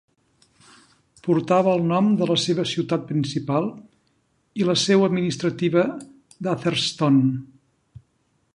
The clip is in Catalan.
Portava el nom de la seva ciutat principal i la seu administrativa d'Atherstone.